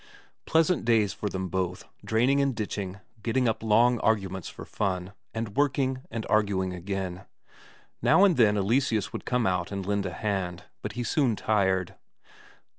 Pleasant days for them both, draining and ditching, getting up long arguments for fun, and working, and arguing again. Now and then Eleseus would come out and lend a hand, but he soon tired.